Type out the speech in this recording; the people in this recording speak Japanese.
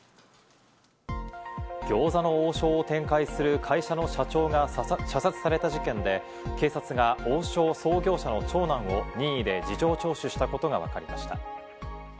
餃子の王将を展開する会社の社長が射殺された事件で、警察が、王将創業者の長男を任意で事情聴取したことがわかりました。